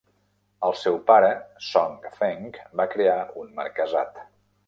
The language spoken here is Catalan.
El seu pare Song Feng va crear un marquesat.